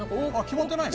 決まってないの？